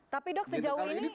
tapi dok sejauh ini